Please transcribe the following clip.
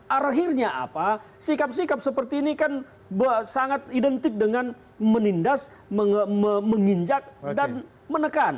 akhirnya apa sikap sikap seperti ini kan sangat identik dengan menindas menginjak dan menekan